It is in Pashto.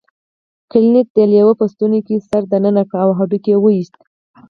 کلنګ د لیوه په ستوني کې سر دننه کړ او هډوکی یې وویست.